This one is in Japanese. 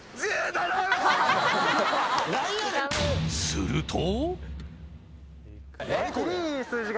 すると。